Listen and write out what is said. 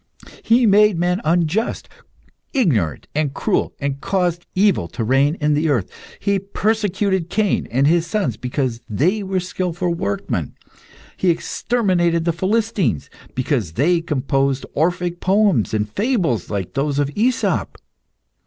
He made men unjust, ignorant, and cruel, and caused evil to reign in the earth. He persecuted Cain and his sons because they were skilful workmen; he exterminated the Philistines because they composed Orphic poems, and fables like those of AEsop.